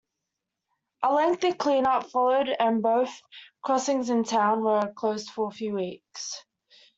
A lengthy cleanup followed and both crossings in town were closed for weeks.